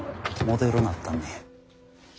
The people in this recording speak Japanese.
モデルなったんねや。